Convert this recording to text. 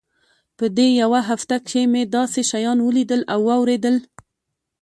په دې يوه هفته کښې مې داسې شيان وليدل او واورېدل.